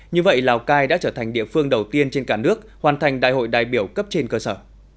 như vậy lào cai đã trở thành địa phương đầu tiên trên cả nước hoàn thành đại hội đại biểu cấp trên cơ sở